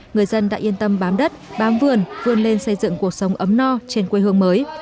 người dân đã yên tâm bám đất bám vườn vươn lên xây dựng cuộc sống ấm no trên quê hương mới